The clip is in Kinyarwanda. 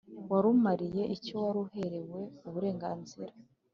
warumariye icyo waruherewe uburenganzira,